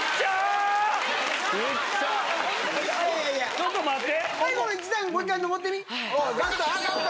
ちょっと待って！